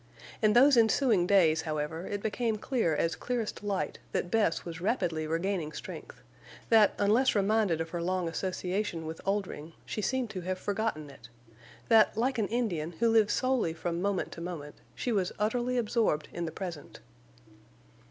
In those ensuing days, however, it became clear as clearest light that Bess was rapidly regaining strength; that, unless reminded of her long association with Oldring, she seemed to have forgotten it; that, like an Indian who lives solely from moment to moment, she was utterly absorbed in the present.